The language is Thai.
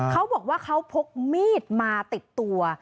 เขาบอกว่าเขาพกมีดมาติดตัว